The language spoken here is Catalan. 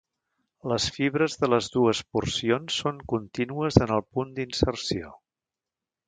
Les fibres de les dues porcions són contínues en el punt d'inserció.